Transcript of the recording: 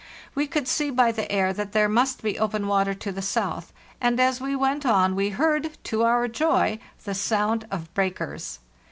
We could see by the air that there must be open water to the south, and as we went on we heard, to our joy, the sound of breakers.